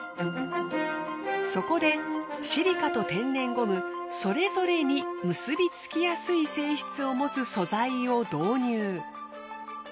そこでシリカと天然ゴムそれぞれに結びつきやすい性質を持つ素材を導入。